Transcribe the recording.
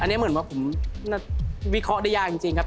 อันนี้เหมือนว่าผมวิเคราะห์ได้ยากจริงครับ